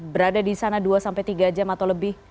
berada di sana dua sampai tiga jam atau lebih